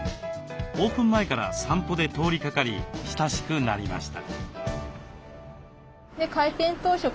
オープン前から散歩で通りかかり親しくなりました。